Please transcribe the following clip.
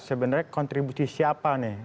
sebenarnya kontribusi siapa nih